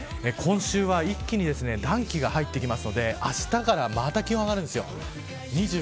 今週は一気に暖気が入ってきますのであしたからまた気温が上がります。